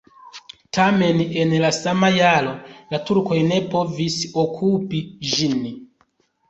Tamen en la sama jaro la turkoj ne povis okupi ĝin.